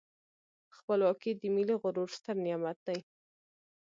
خپلواکي د ملي غرور ستر نعمت دی.